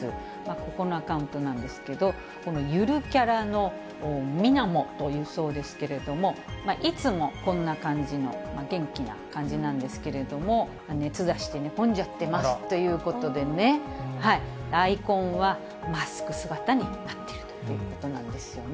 ここのアカウントなんですけれども、このゆるキャラのミナモというそうですけれども、いつもこんな感じの元気な感じなんですけれども、熱出して寝込んじゃってますということでね、アイコンはマスク姿になっているということなんですよね。